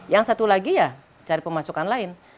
yang satu lagi ya cari pemasukan lain